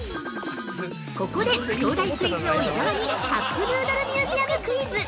◆ここで、東大クイズ王・伊沢にカップヌードルミュージアムクイズ。